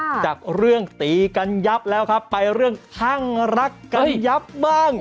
จากเรื่องตีกันยับแล้วครับไปเรื่องข้างรักกันยับบ้าง